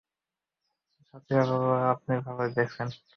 সাথীরা বলল, আপনি ভালই দেখেছেন।